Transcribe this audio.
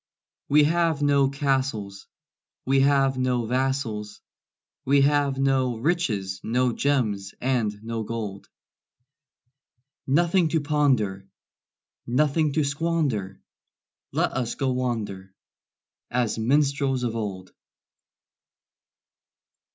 We have no castles, We have no vassals, We have no riches, no gems and no gold; Nothing to ponder, Nothing to squander Let us go wander As minstrels of old.